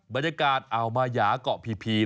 บรรยากาศอาวมายาเกาะพิพี